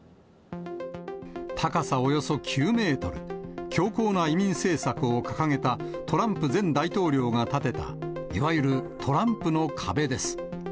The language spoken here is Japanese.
高さおよそ９メートル、強硬な移民政策を掲げたトランプ前大統領が建てたいわゆるトランプの壁です。